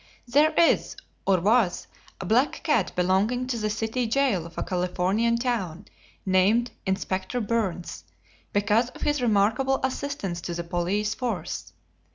There is or was a black cat belonging to the city jail of a Californian town, named "Inspector Byrnes," because of his remarkable assistance to the police force.